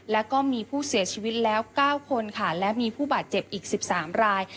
แล้วก็มีผู้เสียชีวิตแล้ว๙คนค่ะและมีผู้บาดเจ็บอีก๑๓ราย